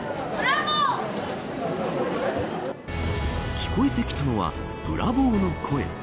聞こえてきたのはブラボーの声。